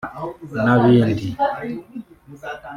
n’abindi)